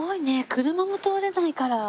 車も通れないから。